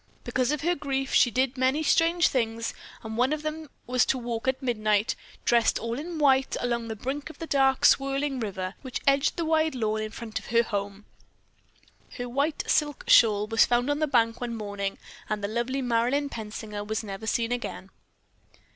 Because of her grief, she did many strange things, and one of them was to walk at midnight, dressed all in white, along the brink of the dark swirling river which edged the wide lawn in front of her home. Her white silk shawl was found on the bank one morning and the lovely Marilyn Pensinger was never seen again.